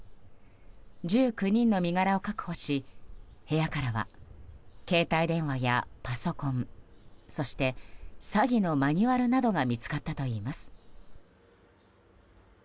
１９人の身柄を確保し部屋からは携帯電話やパソコンそして詐欺のマニュアルなどが見つかったといいます。